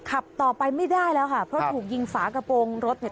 ขับต่อไปไม่ได้แล้วค่ะเพราะถูกยิงฝากระโปรงรถเนี่ย